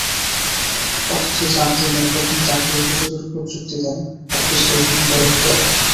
এরপর চার দিনে প্রথম চারটি অভিযোগের ওপর যুক্তি দেন আবদুস সোবহান তরফদার।